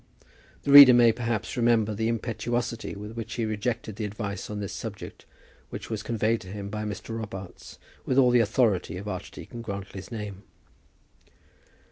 The reader may, perhaps, remember the impetuosity with which he rejected the advice on this subject which was conveyed to him by Mr. Robarts with all the authority of Archdeacon Grantly's name.